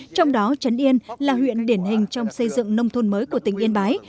trong đó trấn yên là huyện điển hình trong xây dựng nông thôn mới của tỉnh yên bái